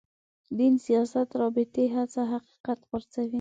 دین سیاست رابطې هڅه حقیقت غورځوي.